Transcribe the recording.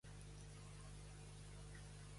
El purisme lingüístic rebutja els manlleus.